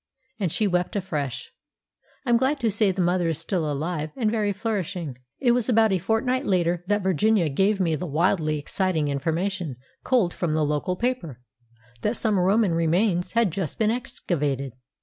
and she wept afresh. I'm glad to say the mother is still alive, and very flourishing. It was about a fortnight later that Virginia gave me the wildly exciting information, culled from the local paper, that some Roman remains had just been excavated.